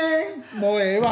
もうええわ。